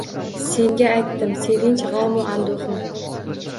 Senga aytdim sevinch, g’amu anduhim.